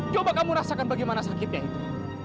coba kamu rasakan bagaimana sakitnya itu